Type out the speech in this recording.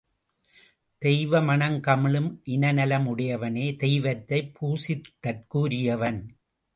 தெய்வ மணம் கமழும் இனநலம் உடையவனே தெய்வத்தைப் பூசித்தற்குரியவன்.